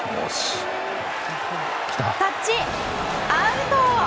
タッチアウト！